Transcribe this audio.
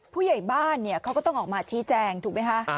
ผู้ใหญ่บ้านเขาก็ต้องออกมาชี้แจงถูกไหมคะ